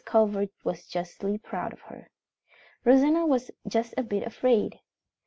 Culver was justly proud of her. Rosanna was just a bit afraid.